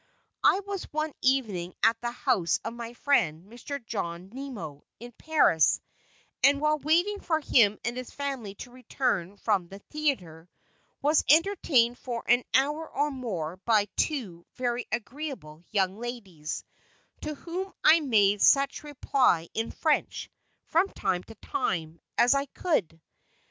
I was one evening at the house of my friend, Mr. John Nimmo, in Paris, and while waiting for him and his family to return from the theatre, was entertained for an hour or more by two very agreeable young ladies, to whom I made such reply in French, from time to time, as I could.